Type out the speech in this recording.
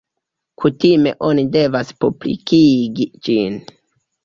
Kutime oni devas publikigi ĝin.